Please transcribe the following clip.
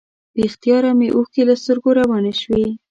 بې اختیاره مې اوښکې له سترګو روانې شوې.